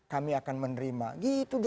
kami akan menerima gitu